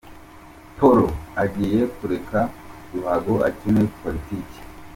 Poro agiye kureka ruhago akine politiki